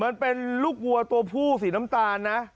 มันเป็นลูกวัวตัวผู้สีน้ำตาลนะ